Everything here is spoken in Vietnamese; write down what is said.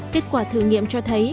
kết quả thử nghiệm cho thấy